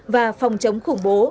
và phòng chống khủng bố